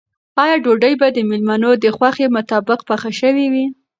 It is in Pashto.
آیا ډوډۍ به د مېلمنو د خوښې مطابق پخه شوې وي؟